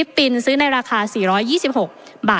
ประเทศอื่นซื้อในราคาประเทศอื่น